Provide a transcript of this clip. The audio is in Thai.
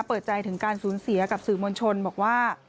เปิดใจถึงการสูญเสียกับสื่อมวลชนบอกว่า